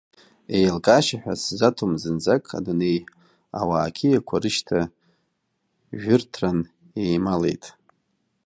Еилкаашьа ҳәа сзаҭом зынӡак адунеи, ауаа қьиақәа рышьҭа жәырҭран еималеит…